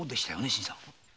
新さん。